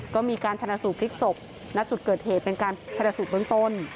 ก็มีการชนะสูตรพลิกศพณจุดเกิดเหตุเป็นการชนะสูตรเบื้องต้น